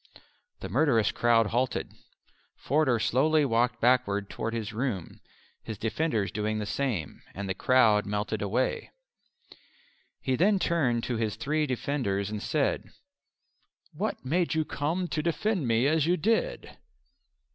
The murderous crowd halted. Forder slowly walked backwards toward his room, his defenders doing the same, and the crowd melted away. He then turned to his three defenders and said, "What made you come to defend me as you did?"